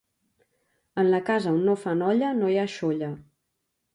En la casa a on no fan olla no hi ha xolla.